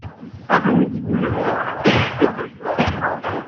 Avenue des Millonnets à Vétheuil